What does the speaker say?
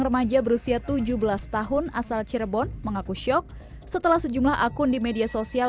remaja berusia tujuh belas tahun asal cirebon mengaku syok setelah sejumlah akun di media sosial